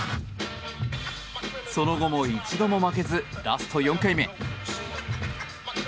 その後も一度も負けずラスト４回目。